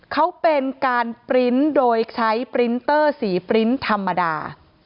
เขาเป็นการปริ้นต์โดยใช้ปรินเตอร์สีปริ้นต์ธรรมดา